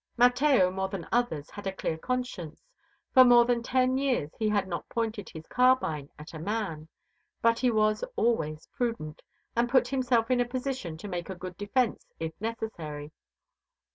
Mateo more than others had a clear conscience; for more than ten years he had not pointed his carbine at a man, but he was always prudent, and put himself into a position to make a good defense if necessary.